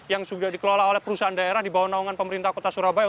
yang sudah dikelola oleh perusahaan daerah di bawah naungan pemerintah kota surabaya